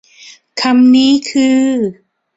คำนี้คือ